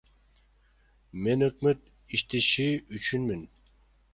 Мен өкмөт иштеши үчүнмүн.